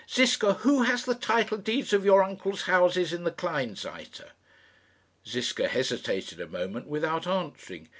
"Ziska, who has the title deeds of your uncle's houses in the Kleinseite?" Ziska hesitated a moment without answering.